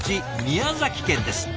宮崎県です。